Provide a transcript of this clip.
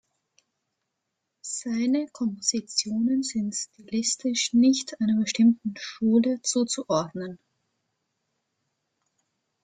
Seine Kompositionen sind stilistisch nicht einer bestimmten Schule zuzuordnen.